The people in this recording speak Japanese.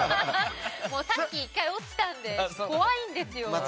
さっき１回落ちたんで怖いんですよ。